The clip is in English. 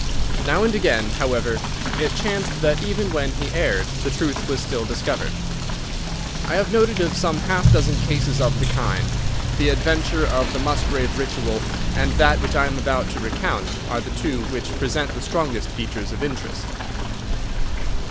Now and again, however, it chanced that even when he erred, the truth was still discovered. I have noted of some half dozen cases of the kind, of which the Affair of the Second Stain and that which I am now about to recount are the two which present the strongest features of interest.